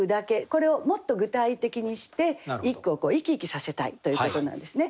これをもっと具体的にして一句を生き生きさせたいということなんですね。